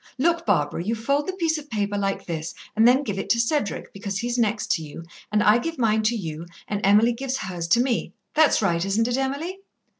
"Look, Barbara, you fold the piece of paper like this, and then give it to Cedric, because he's next to you, and I give mine to you, and Emily gives hers to me. That's right, isn't it, Emily?"